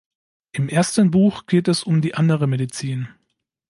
Im ersten Buch geht es um „Die andere Medizin“.